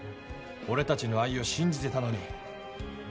俺たちの愛を信じてたのに。